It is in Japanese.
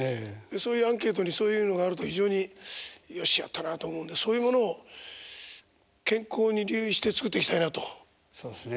そういうアンケートにそういうのがあると非常に「よしやったな」と思うんでそういうものを健康に留意して作っていきたいなと８０までは。